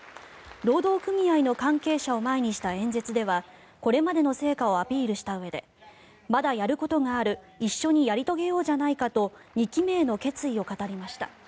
労働組合の関係者を前にした演説ではこれまでの成果をアピールしたうえでまだやることがある一緒にやり遂げようじゃないかと２期目への決意を語りました。